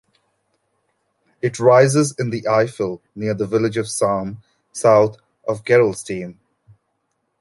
It rises in the Eifel, near the village of Salm, south of Gerolstein.